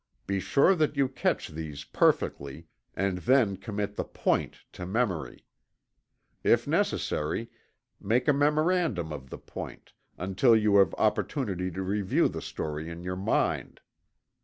Be sure that you catch these perfectly, and then commit the "point" to memory. If necessary make a memorandum of the point, until you have opportunity to review the story in your mind.